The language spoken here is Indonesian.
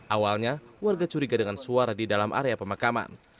awalnya warga curiga dengan suara di dalam area pemakaman